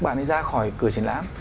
bạn ấy ra khỏi cửa triển lãm